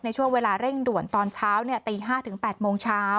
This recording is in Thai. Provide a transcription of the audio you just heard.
ในช่วงเวลาเร่งด่วนตอนเช้าตี๕๐๐ถึง๘๐๐น